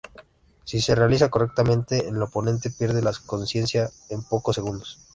Si se realiza correctamente, el oponente pierde la consciencia en pocos segundos.